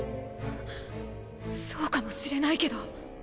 そうかもしれないけど。